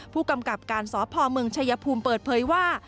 ผู้กำกับการสพเมืองชายภูมิเปิดเผยว่า